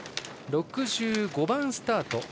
６５番スタート